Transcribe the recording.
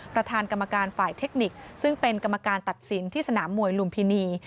ประธานกรรมการฝ่ายเทคนิคซึ่งเป็นกรรมการตัดสินที่สนามมวยลุมพินี